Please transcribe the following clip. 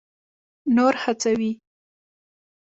نور هڅوي.